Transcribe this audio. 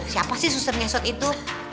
siapa sih suster ngesot itu